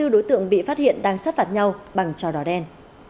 ba mươi bốn đối tượng bị phát hiện đang sát phạt nhau bằng trò đỏ đen